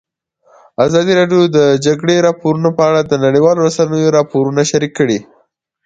ازادي راډیو د د جګړې راپورونه په اړه د نړیوالو رسنیو راپورونه شریک کړي.